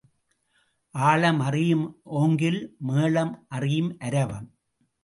ஆழம் அறியும் ஓங்கில் மேளம் அறியும் அரவம்.